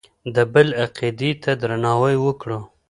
د بل عقيدې ته درناوی وکړو.